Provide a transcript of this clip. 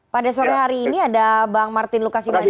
pada sore hari ini ada bang martin lukasiman